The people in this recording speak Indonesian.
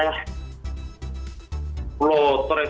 jangan pake kata pria